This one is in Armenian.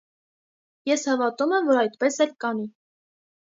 - Ես հավատում եմ, որ այդպես էլ կանի: